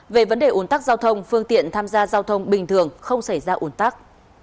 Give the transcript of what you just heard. về vấn đề ủn tắc giao thông phương tiện tham gia giao thông bình thường không xảy ra ủn tắc